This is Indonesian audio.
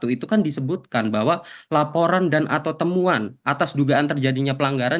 itu kan disebutkan bahwa laporan dan atau temuan atas dugaan terjadinya pelanggaran